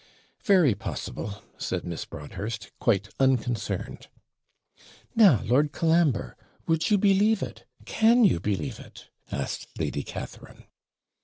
'Very possible,' said Miss Broadhurst, quite unconcerned. 'Now, Lord Colambre, would you believe it? Can you believe it?' asked Lady Catharine.